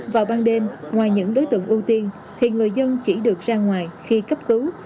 vào ban đêm ngoài những đối tượng ưu tiên thì người dân chỉ được ra ngoài khi cấp cứu